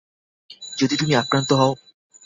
যদি তুমিও আক্রান্ত হও?